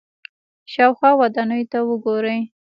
شاوخوا ودانیو ته وګورئ.